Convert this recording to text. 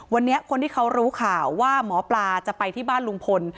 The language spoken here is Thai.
วันนี้คนที่เขารู้ข่าวว่าหมอปลาจะไปที่บ้านลุงพล